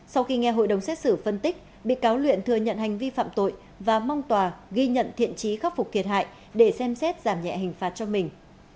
sau khi nghe hội đồng xét xử phân tích bị cáo luyện thừa nhận hành vi phạm tội và mong tòa ghi nhận thiện trí khắc phục thiệt hại để xem xét giảm nhẹ hình phạt cho mình